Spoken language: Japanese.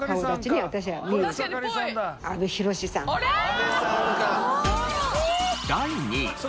阿部さんか！